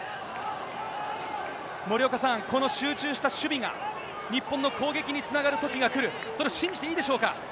森岡さん、この集中した守備が、日本の攻撃につながるときが来る、それを信じていいでしょうか。